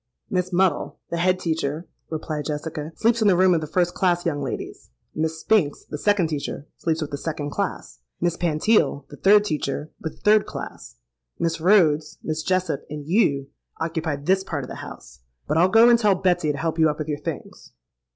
—'Miss Muddle, the head teacher,' replied Jessica, 'sleeps in the room of the first class young ladies: Miss Spinks, the second teacher, sleeps with the second class; Miss Pantile, the third teacher, with the third class; Miss Rhodes, Miss Jessop, and you occupy this part of the house. But I'll go and tell Betsy to help you up with your things.'